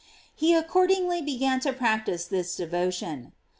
He according ly began to practise this devotion.